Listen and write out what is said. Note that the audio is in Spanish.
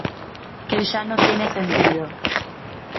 que ya no tiene sentido